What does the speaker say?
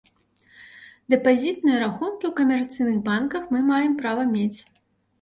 Дэпазітныя рахункі ў камерцыйных банках мы маем права мець.